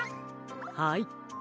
はい。